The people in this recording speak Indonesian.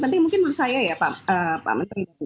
penting mungkin saya ya pak menteri